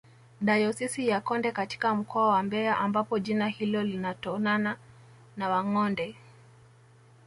dayosisi ya konde katika mkoa wa mbeya ambapo jina hilo linatonana na wangonde